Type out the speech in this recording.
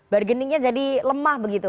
bargainingnya jadi lemah begitu